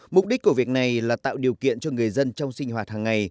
mục đích của việc này là tạo điều kiện cho người dân trong sinh hoạt hàng ngày